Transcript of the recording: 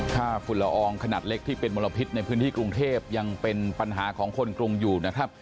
ฝุ่นละอองขนาดเล็กที่เป็นมลพิษในพื้นที่กรุงเทพยังเป็นปัญหาของคนกรุงอยู่นะครับ